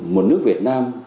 một nước việt nam